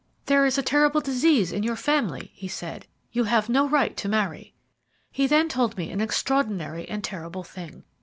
"'There is a terrible disease in your family,' he said; 'you have no right to marry.' "He then told me an extraordinary and terrible thing.